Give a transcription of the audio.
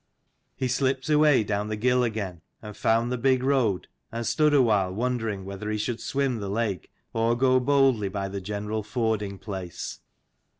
He slipped away down the gill again and found the big road, and stood awhile wondering whether he should swim the lake or go boldly by the general fording place.